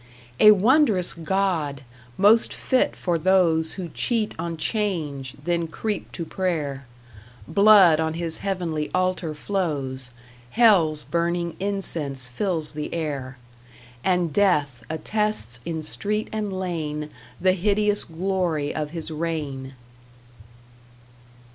A wondrous god! most fit for those Who cheat on 'Change, then creep to prayer; Blood on his heavenly altar flows, Hell's burning incense fills the air, And Death attests in street and lane The hideous glory of his reign.